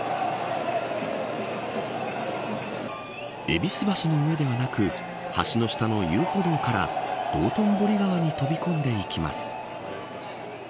戎橋の上ではなく橋の下の遊歩道から道頓堀川に飛び込んでいきます。